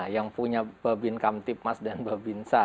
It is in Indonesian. yang punya bebin kamtipmas dan bebin sa